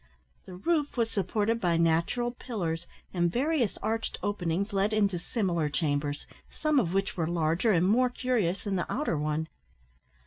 The roof was supported by natural pillars, and various arched openings led into similar chambers, some of which were larger and more curious than the outer one.